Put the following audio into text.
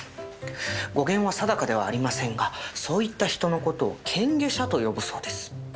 語源は定かではありませんがそういった人の事を「けんげしゃ」と呼ぶそうです。